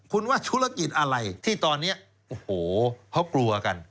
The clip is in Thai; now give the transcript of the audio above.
คุณว่าธุรกิจอะไรที่ตอนนี้โอ้โหเขากลัวกัน